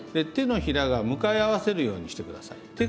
手のひらが向かい合わせるようにして下さい。